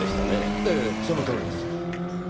ええそのとおりです。